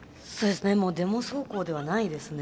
デモ走行ではないですね